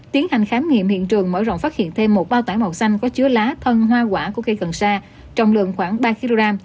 tiến hành khám nghiệm hiện trường mở rộng phát hiện thêm một bao tải màu xanh có chứa lá thân hoa quả của cây cần sa trọng lượng khoảng ba kg